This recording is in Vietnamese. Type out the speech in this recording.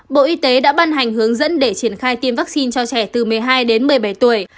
bộ y tế đã ban hành hướng dẫn để triển khai tiêm vaccine cho trẻ từ một mươi hai đến một mươi bảy tuổi